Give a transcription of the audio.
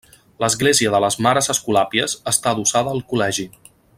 L'Església de les Mares Escolàpies està adossada al col·legi.